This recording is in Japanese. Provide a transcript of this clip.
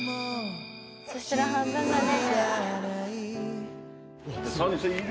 「そしたら半分だね」